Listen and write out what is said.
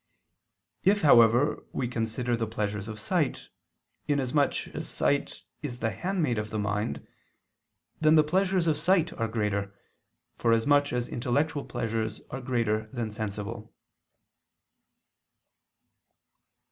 If, however, we consider the pleasures of sight, inasmuch sight is the handmaid of the mind, then the pleasures of sight are greater, forasmuch as intellectual pleasures are greater than sensible.